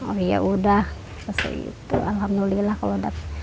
oh ya udah terus itu alhamdulillah